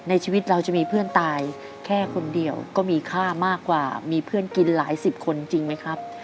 ชีวิตเราจะมีเพื่อนตายแค่คนเดียวก็มีค่ามากกว่ามีเพื่อนกินหลายสิบคนจริงไหมครับ